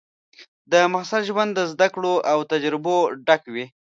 د محصل ژوند د زده کړو او تجربو ډک وي.